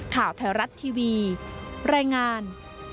ข่าวไทยรัฐทีวีรายงาน